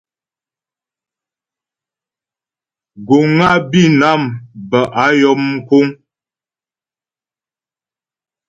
Guŋ á Bǐnam bə́ á yɔm mkúŋ.